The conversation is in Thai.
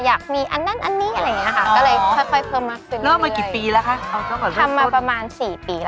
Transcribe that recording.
แล้วกลายเป็นแตกลายเป็นผลิตภัณฑ์หมอน